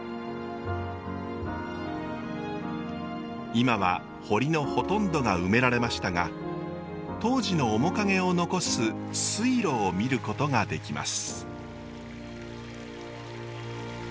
今は堀のほとんどが埋められましたが当時の面影を残す水路を見ることができます。